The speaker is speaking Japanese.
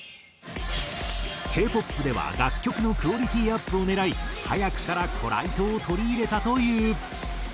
Ｋ−ＰＯＰでは楽曲のクオリティーアップを狙い早くからコライトを取り入れたという。